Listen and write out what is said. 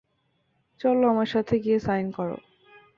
চলো আমার সাথে গিয়ে সাইন করো।